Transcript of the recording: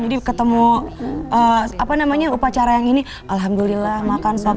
jadi ketemu apa namanya upacara yang ini alhamdulillah makan suap suap